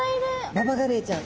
ババガレイちゃん